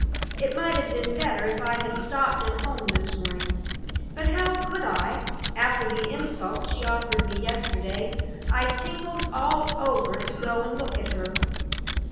It might have been better if I had stopped at home this morning. But how could I? After the insult she offered me yesterday, I tingled all over to go and look at her.